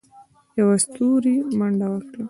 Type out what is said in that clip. يوه ستوري منډه وکړه.